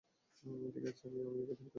ঠিক আছি আমি, আমাকে একা থাকতে দাও।